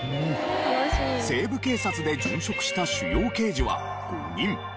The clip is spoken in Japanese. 『西部警察』で殉職した主要刑事は５人。